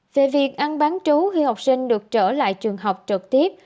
về việc ăn bán trú khi học sinh được trở lại trường học trực tiếp